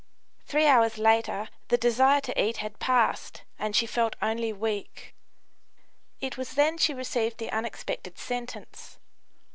Three hours later the desire to eat had passed, and she felt only weak. It was then she received the unexpected sentence.